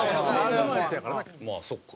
まあそっか。